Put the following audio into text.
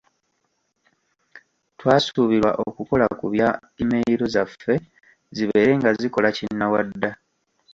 Twasuubirwa okukola ku bya email zaffe zibeere nga zikola kinnawadda.